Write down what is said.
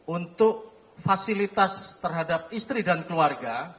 untuk fasilitas terhadap istri dan keluarga